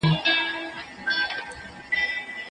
مقاومت وکړه ترڅو په بازار کې پاتې شې.